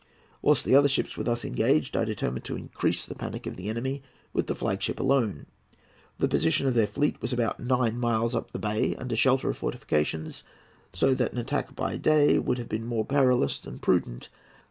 Whilst the other ships were thus engaged, I determined to increase the panic of the enemy with the flag ship alone. The position of their fleet was about nine miles up the bay, under shelter of fortifications, so that an attack by day would have been more perilous than prudent.